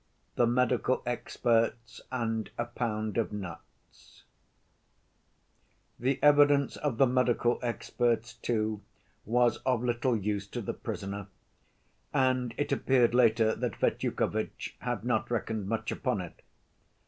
The Medical Experts And A Pound Of Nuts The evidence of the medical experts, too, was of little use to the prisoner. And it appeared later that Fetyukovitch had not reckoned much upon it.